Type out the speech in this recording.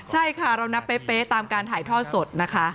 ใช่ค่ะเรานับเป๊ะตามการถ่ายทอดสดนะคะ